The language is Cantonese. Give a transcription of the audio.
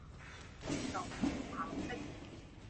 邊度唔合適？